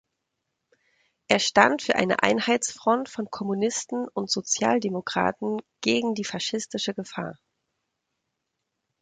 Er stand für eine Einheitsfront von Kommunisten und Sozialdemokraten gegen die faschistische Gefahr.